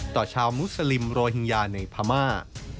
ชาวมุสลิมโรฮิงญาในพม่า